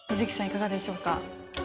いかがでしょうか？